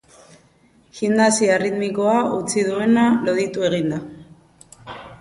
Gimnasia erritmikoa utzi duena loditu egin da.